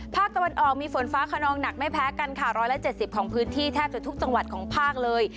ภาคตะวันออกมีฝนฟ้าขนองหนักไม่แพ้กันค่ะ๑๗๐ของพื้นที่แทบจะทุกจังหวัดของภาคเลย